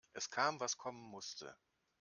Es kam, was kommen musste.